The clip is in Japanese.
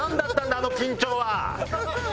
あの緊張は。